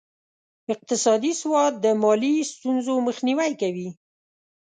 اقتصادي سواد د مالي ستونزو مخنیوی کوي.